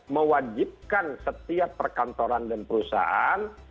mewajibkan setiap perkantoran dan perusahaan